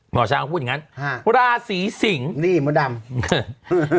หมอช้างก็พูดอย่างงั้นลาศรีสิงนี่เหมือนมาตัดดำ